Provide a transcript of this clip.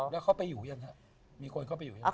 มีคนเข้าไปอยู่ยังครับ